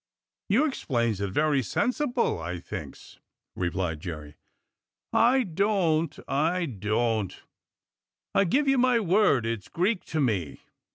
"You explains it very sensible, I thinks," replied Jerry. "I don't — I don't. I give you my word it's Greek to me."